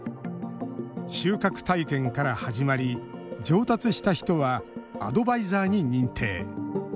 収穫体験から始まり上達した人はアドバイザーに認定。